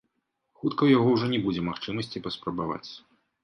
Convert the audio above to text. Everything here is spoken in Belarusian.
Хутка ў яго ўжо не будзе магчымасці паспрабаваць.